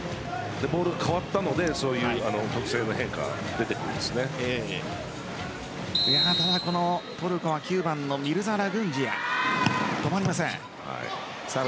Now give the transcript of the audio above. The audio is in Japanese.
ボールが変わったのでただ、トルコは９番のミルザ・ラグンジヤ止まりません。